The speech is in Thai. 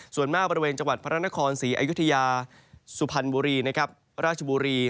ส่วนมากบริเวณจังหวัดพระนครศรีอยุธยาสุพรรณบุรีนะครับราชบุรี